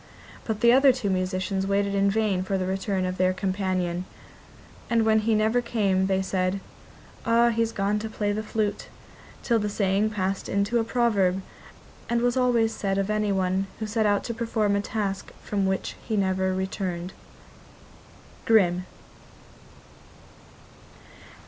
But the other two musicians waited in vain for the return of their companion; and when he never came they said: 'Ah, he's gone to play the flute,' till the saying passed into a proverb, and was always said of anyone who set out to perform a task from which he never returned. Grimm.